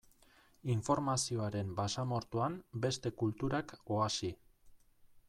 Informazioaren basamortuan, beste kulturak oasi.